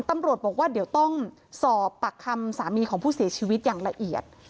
ตำรวจบอกว่าเดี๋ยวต้องสอบปากคำสามีของผู้เสียชีวิตอย่างละเอียด